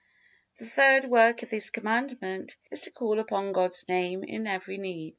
The third work of this Commandment is to call upon God's Name in every need.